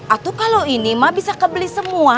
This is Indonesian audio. atau kalau ini ma bisa kebeli semua